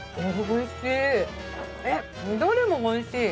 超おいしい。